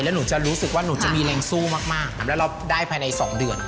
แล้วหนูจะรู้สึกว่าหนูจะมีแรงสู้มากแล้วเราได้ภายใน๒เดือน